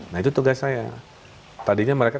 nah itu tugas saya tadinya mereka